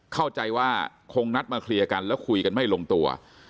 เข้าใจว่าคงนัดมาเคลียร์กันแล้วคุยกันไม่ลงตัว